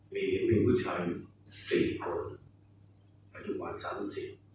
มีหนึ่งผู้ชาย๔คนประจำวัน๓๐